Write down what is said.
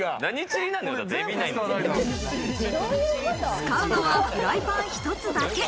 使うのは、フライパン一つだけ。